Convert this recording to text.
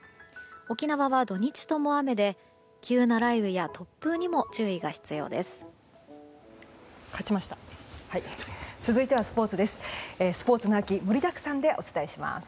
沖縄は土日とも雨で急な雷雨や突風にも注意が必要です。